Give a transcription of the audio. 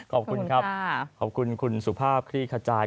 ขอบคุณครับขอบคุณคุณสุภาพคลี่ขจาย